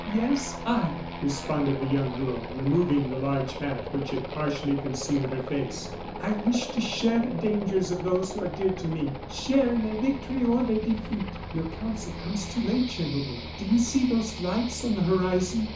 "Yes, I," responded the young girl, removing the large hat which had partially concealed her face; "I wish to share the dangers of those who are dear to me share in their victory or their defeat. Your counsel comes too late, gentlemen. Do you see those lights on the horizon?